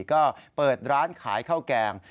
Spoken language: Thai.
ก็เปิดร้านขายข้าวแกง